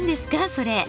それ。